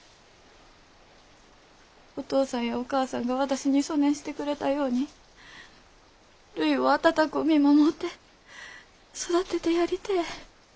お父さんやお母さんが私にそねんしてくれたようにるいを温こう見守って育ててやりてえ。